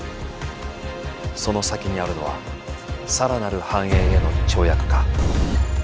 その先にあるのは更なる繁栄への跳躍か。